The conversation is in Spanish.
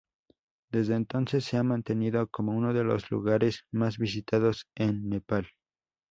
Desde entonces se ha mantenido como uno de los lugares más visitados en Nepal.